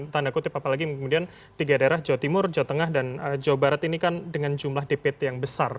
tanda kutip apalagi kemudian tiga daerah jawa timur jawa tengah dan jawa barat ini kan dengan jumlah dpt yang besar